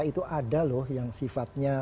itu ada loh yang sifatnya